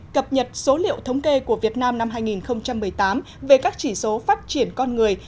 cập nhật số liệu thống kê của việt nam năm hai nghìn một mươi tám về các chỉ số phát triển con người